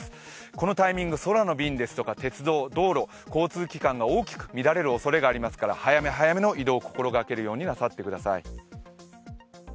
このタイミング、空の便や鉄道、道路、交通機関が大きく乱れる可能性がありますので、早め早めの移動を心がけるようになさってください。